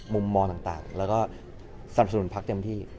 มุมมองต่างแล้วก็สนับสนุนพักเต็มที่